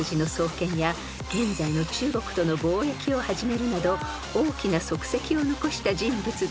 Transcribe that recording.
［現在の中国との貿易を始めるなど大きな足跡を残した人物ですが］